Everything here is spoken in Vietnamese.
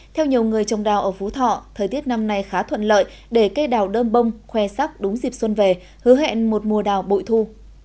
theo nhiều người trồng đào ở phú thọ thời tiết năm nay khá thuận lợi để cây đào đơm bông khoe sắc đúng dịp xuân về hứa hẹn một mùa đào bội thu